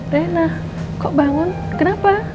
rena kok bangun